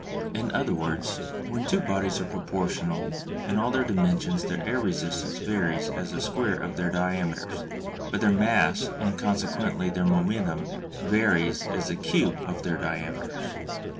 In other words, when two bodies are proportional in all their dimensions their air resistance varies as the square of their diameters, but their mass and consequently their momentum varies as the cube of their diameters.